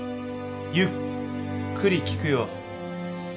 ゆっくり聞くよ。